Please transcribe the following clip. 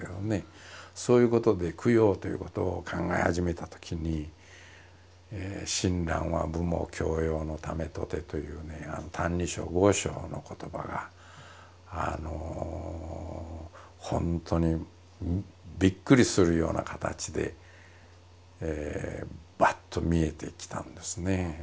そういうことで供養ということを考え始めたときに「親鸞は父母孝養のためとて」というね「歎異抄」五章の言葉がほんとにびっくりするような形でバッと見えてきたんですね。